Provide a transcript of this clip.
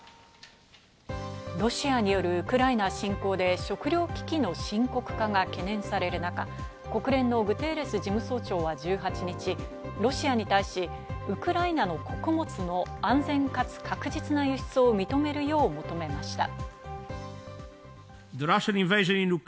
ロシアによるウクライナ侵攻で食糧危機の深刻化が懸念される中、国連のグテーレス事務総長は１８日、ロシアに対しウクライナの穀物の安全かつ確実な輸出を認めるよう求めました。